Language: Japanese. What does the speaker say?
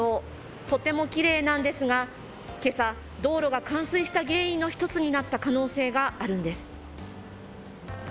とてもきれいなんですがけさ道路が冠水した原因の１つになった可能性があるんです。